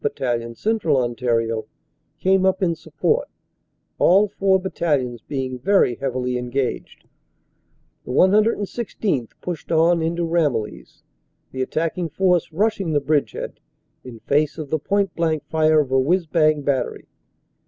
Battalion, Central Ontario, came up in support, all four battalions being very heavily engaged. The 116th. pushed on into Ramillies, the attacking force rushing the bridgehead in face of the point blank fire of a whizz bang battery.